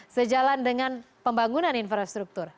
sejalan dengan pembangunan infrastruktur